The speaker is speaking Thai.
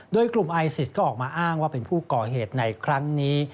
โดยกลุ่มไอซิสก็ออกมาอ้างว่าเป็นผู้ก่อเหตุในครั้งนี้